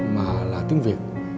mà là tiếng việt